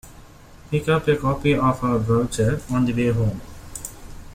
Pick up a copy of our brochure on the way home.